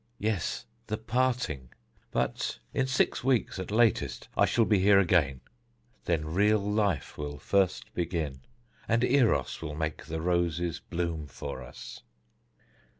Yes, the parting! But in six weeks at latest I shall be here again; then real life will first begin, and Eros will make the roses bloom for us."